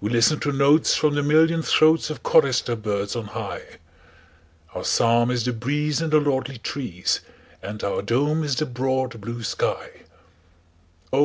We listen to notes from the million throatsOf chorister birds on high, Our psalm is the breeze in the lordly trees, And our dome is the broad blue sky, Oh!